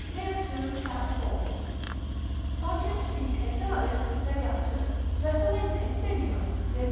lib. 2. cap. 4. Pontius C. Caesaris legatus, referente Plinio, lib.